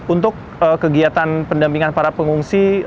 untuk kegiatan pendampingan para pengungsi